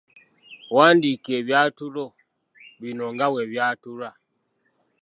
Wandiika ebyatulo bino nga bwe byatulwa.